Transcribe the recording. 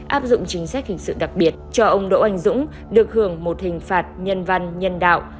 áp dụng chính sách hình sự đặc biệt cho ông đỗ anh dũng được hưởng một hình phạt nhân văn nhân đạo